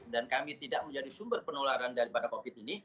dan kami tidak menjadi sumber penularan daripada covid ini